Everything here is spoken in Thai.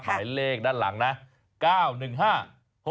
หมายเลขด้านหลังนะ๙๑๕๖๔๑๙นะครับ